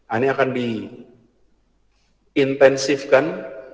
ini akan diintensifkan